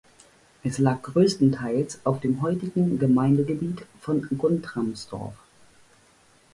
Es lag großteils auf dem heutigen Gemeindegebiet von Guntramsdorf.